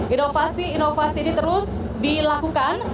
inovasi inovasi ini terus dilakukan